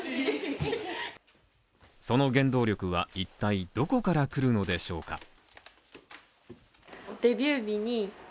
その原動力は、いったいどこから来るのでしょうか？